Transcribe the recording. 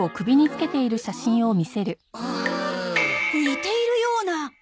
似ているような。